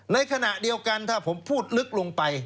ในขณะเดียวกันถ้าผมพูดลึกลงไป